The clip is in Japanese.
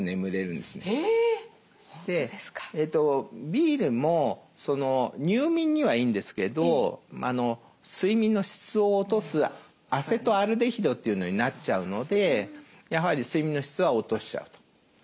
ビールも入眠にはいいんですけど睡眠の質を落とすアセトアルデヒドというのになっちゃうのでやはり睡眠の質は落としちゃうと。